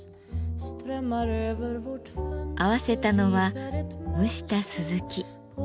合わせたのは蒸したスズキ。